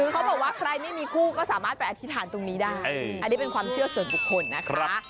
คือเขาบอกว่าใครไม่มีคู่ก็สามารถไปอธิษฐานตรงนี้ได้อันนี้เป็นความเชื่อส่วนบุคคลนะคะ